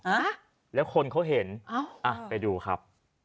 อ่ะแล้วคนเขาเห็นอ้าวอ่ะไปดูครับ